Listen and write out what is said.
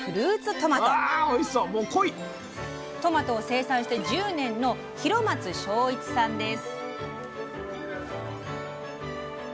トマトを生産して１０年の広松正一さんです。